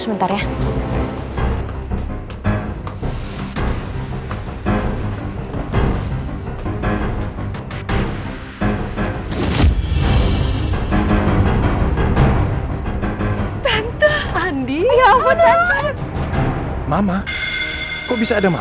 nanti tante share ke aku aja ya